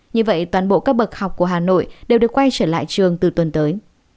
như vậy toàn bộ các bậc học của hà nội đều được quay trở lại trường từ tuần tới